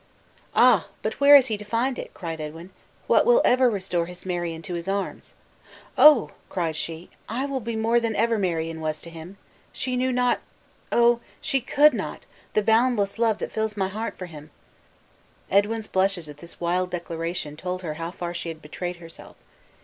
"Ah! but where is he to find it?" cried Edwin, "what will ever restore his Marion to his arms?" "I," cried she "I will be more than ever Marion was to him! She knew not O! she could not the boundless love that fills my heart for him!" Edwin's blushes at this wild declaration told her how far she had betrayed herself.